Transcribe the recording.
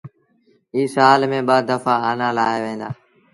اي سآل ميݩ ٻآ دڦآ آنآ لآوهيݩ دآ